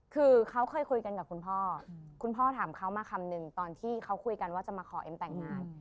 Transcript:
คือเขาเคยคุยกันกับคุณพ่อคุณพ่อถามเขามาคำนึงตอนที่เขาคุยกันว่าจะมาขอเอ็มแต่งงาน